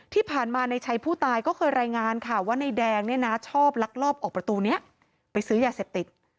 ที่ผ่านมาในชัยผู้ตายก็เคยรายงานค่ะว่านายแดงเนี่ยนะชอบลักลอบออกประตูนี้ไปซื้อยาเสพติด